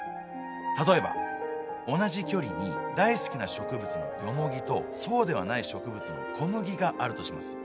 例えば同じ距離に大好きな植物のヨモギとそうではない植物のコムギがあるとします。